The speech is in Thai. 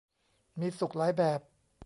มีสุขหลายแบบ